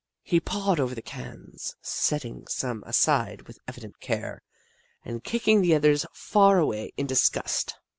He pawed over the cans, setting some aside with evident care, and kicking the others far away in disgust.